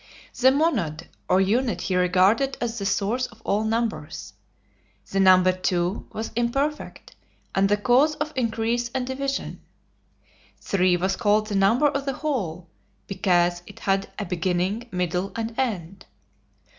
The "Monad" or unit he regarded as the source of all numbers. The number Two was imperfect, and the cause of increase and division. Three was called the number of the whole because it had a beginning, middle, and end.